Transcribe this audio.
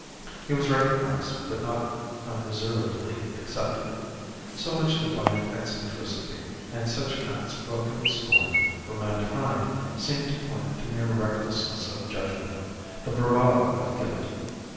He was recognized, but not unreservedly accepted. So much defiant eccentricity and such an outspoken scorn for mankind seemed to point to mere recklessness of judgment, the bravado of guilt.